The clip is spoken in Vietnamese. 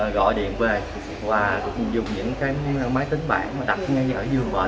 gọi điện về và dùng những cái máy tính bản mà đặt ngay ở giường bệnh